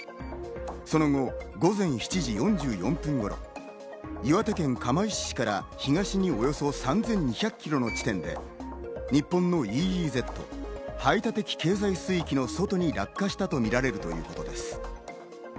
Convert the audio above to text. その後、午前７時４４分頃、岩手県釜石市から東におよそ３２００キロの地点で日本のＥＥＺ＝排他的経済水域の外に落下したとみられるということです。